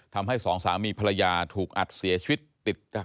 ทำให้สองสามีภรรยาถูกอัดเสียชีวิตติดจาก